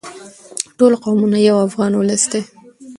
ټول قومونه یو افغان ولس دی.